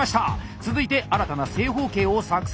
続いて新たな正方形を作成！